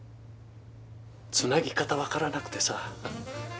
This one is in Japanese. つなぎ方分からなくてさ。